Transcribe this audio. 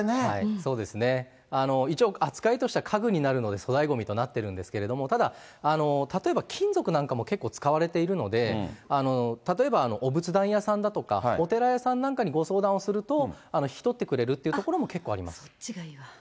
そうですね、一応、扱いとしては家具になるので、粗大ごみとなっているんですけれども、ただ、例えば金属なんかも結構使われているので、例えばお仏壇屋さんだとかお寺屋さんなんかにご相談をすると、引き取ってくれるというところも結構あります。